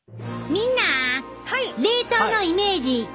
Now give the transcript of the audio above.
みんな冷凍のイメージ変わった？